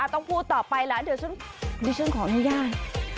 ต้องพูดต่อไปละเดี๋ยวฉันขออุญญาณ